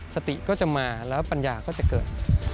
สติก็จะมาแล้วปัญญาก็จะเกิด